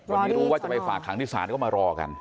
วันนี้รู้ว่าจะไปฝากขังที่ศาลก็มารอกัน